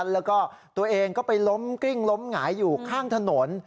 แล้วก็ตัวเองก็ไปล้มกลิ้งล้มหงายอยู่ข้างถนน